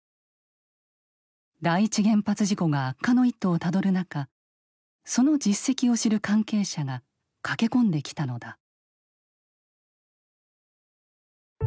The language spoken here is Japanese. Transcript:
第一原発事故が悪化の一途をたどる中その実績を知る関係者が駆け込んできたのだ。